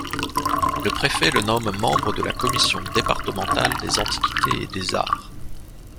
Le préfet le nomme membre de la commission départementale des antiquités et des arts.